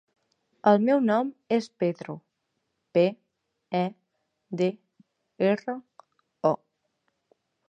El meu nom és Pedro: pe, e, de, erra, o.